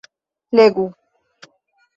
Legu...